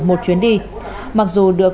một chuyến đi mặc dù được